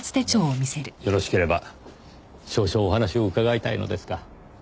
よろしければ少々お話を伺いたいのですが。